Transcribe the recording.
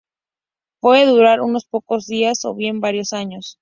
Puede durar unos pocos días o bien varios años.